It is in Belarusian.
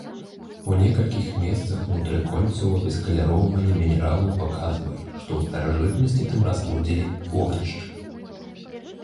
У некалькіх месцах ўнутры кольцаў абескаляроўванне мінералаў паказвае, што ў старажытнасці там разводзілі вогнішчы.